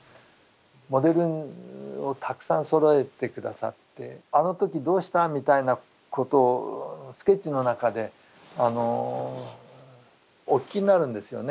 モデルをたくさんそろえて下さってあの時どうしたみたいなことをスケッチの中でお聞きになるんですよね。